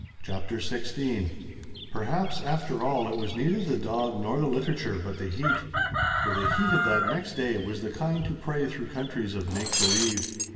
CHAPTER XVI Perhaps after all it was neither the dog nor the literature, but the heat. For the heat of that next day was the kind to prey through countries of make believe.